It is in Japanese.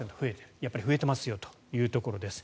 やっぱり増えてますよということです。